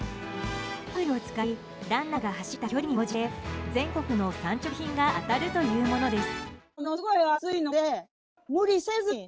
アプリを使いランナーが走った距離に応じて全国の産直品が当たるというものです。